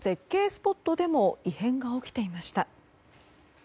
スポットでも異変が起きていました。